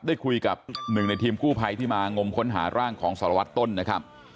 ได้คุยกับหนึ่งในทีมกู้ภัยที่มางมค้นหาร่างของสารวัตรต้นนะครับ